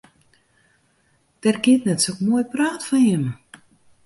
Der giet net sok moai praat fan jimme.